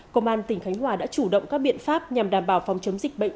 công an tỉnh khánh hòa đã chủ động các biện pháp nhằm đảm bảo phòng chống dịch bệnh